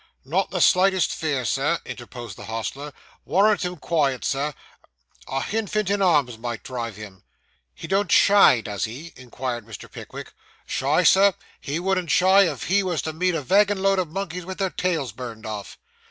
'Not the slightest fear, Sir,' interposed the hostler. 'Warrant him quiet, Sir; a hinfant in arms might drive him.' 'He don't shy, does he?' inquired Mr. Pickwick. 'Shy, sir? he wouldn't shy if he was to meet a vagin load of monkeys with their tails burned off.